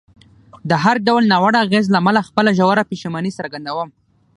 د هر ډول ناوړه اغېز له امله خپله ژوره پښیماني څرګندوم.